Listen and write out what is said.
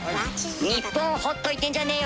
「ニッポンほっといてんじゃねーよ！